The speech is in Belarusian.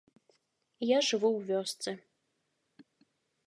Я жыву ў вёсцы.